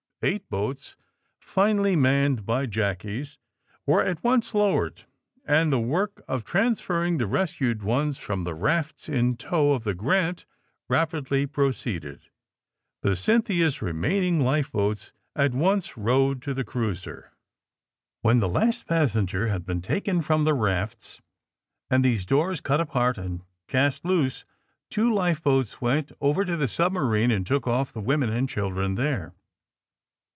Eight boats, finely manned by jacMes, were at once lowered, and the work of transferring the rescued ones from the rafts in tow of the ^^ Grant" rapidly proceeded. The ^^ Cynthia's" remaining life boats at once 148 THE SUBMAEINE BOYS rowed to the cruiser. When, the last passenger had been taken from the rafts, and these doors ent apart and cast loose, two life boats went over to the submarine and took off the women and children there.